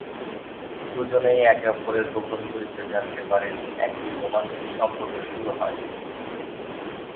দুজনেই একে অপরের গোপন পরিচয় জানতে পারে এবং একটি রোমান্টিক সম্পর্ক শুরু করে।